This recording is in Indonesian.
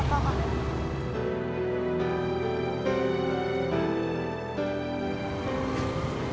nih udah dibayar semuanya